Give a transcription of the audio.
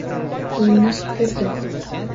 Uyni supurdim